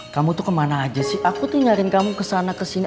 kamu tuh kemana aja sih aku tuh nyari kamu kesana kesini